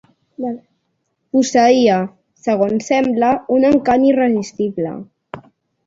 Posseïa, segons sembla, un encant irresistible.